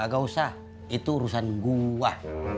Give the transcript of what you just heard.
gak usah itu urusan gua